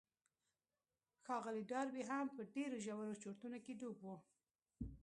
ښاغلی ډاربي هم په ډېرو ژورو چورتونو کې ډوب و.